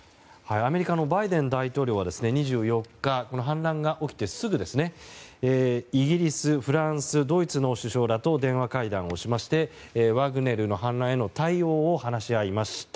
アメリカのバイデン大統領は２４日、反乱が起きてすぐイギリス、フランスドイツの首相らと電話会談しましてワグネルの反乱への対応を話し合いました。